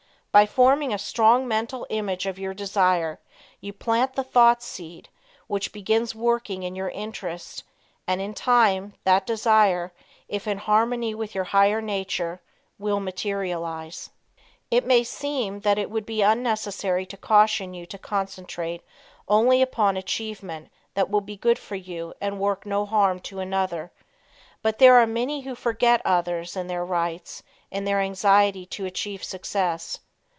By forming a strong mental image of your desire, you plant the thought seed which begins working in your interest and, in time, that desire, if in harmony with your higher nature, will materialize. It may seem that it would be unnecessary to caution you to concentrate only upon achievement that will be good for you and work no harm to another, but there are many who forget others and their rights, in their anxiety to achieve success.